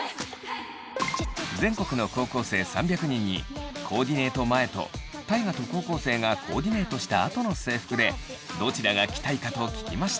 全国の高校生３００人にコーディネート前と大我と高校生がコーディネートしたあとの制服でどちらが着たいかと聞きました。